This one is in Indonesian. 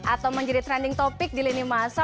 atau menjadi trending topic di lini masa